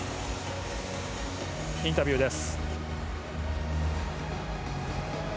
インタビューです。